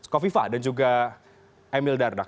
kofifa dan juga emil dardak